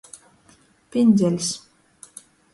Pindzeļs.